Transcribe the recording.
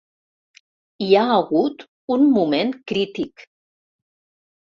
Hi ha hagut un moment crític.